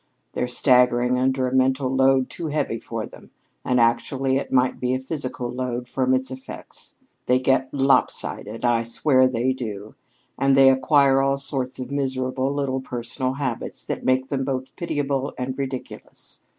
They're staggering under a mental load too heavy for them, and actually it might be a physical load from its effects. They get lop sided, I swear they do, and they acquire all sorts of miserable little personal habits that make them both pitiable and ridiculous.